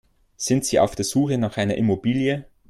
Sind Sie auf der Suche nach einer Immobilie?